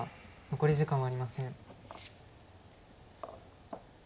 残り時間はありません。